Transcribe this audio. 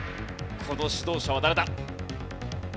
この指導者は誰だ？